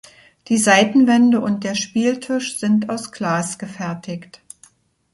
Die Seitenwände und der Spieltisch sind aus Glas gefertigt.